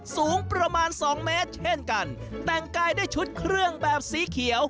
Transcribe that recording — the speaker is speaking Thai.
สูงประมาณสองเมตรเช่นกันแต่งกายด้วยชุดเครื่องแบบสีเขียว